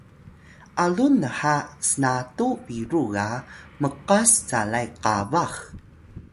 alun nha snatu biru ga mqas calay qabax